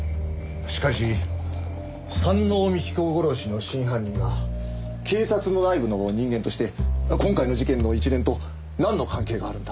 しかし山王美紀子殺しの真犯人が警察の内部の人間として今回の事件の一連となんの関係があるんだ？